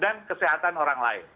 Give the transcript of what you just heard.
dan kesehatan orang lain